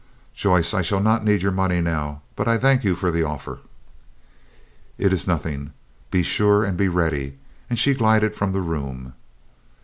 "Joyce, I shall not need your money now, but I thank you for the offer." "It was nothing. Be sure and be ready," and she glided from the room.